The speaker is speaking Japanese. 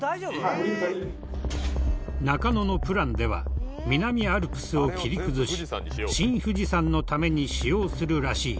中野のプランでは南アルプスを切り崩し新富士山のために使用するらしい。